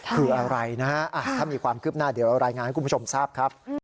คืออะไรนะฮะถ้ามีความคืบหน้าเดี๋ยวรายงานให้คุณผู้ชมทราบครับ